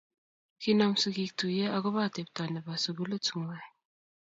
Kinam sikiik tuye ak kobo atepta nebo sukulit ngwang